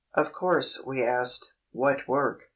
Of course we asked: What work?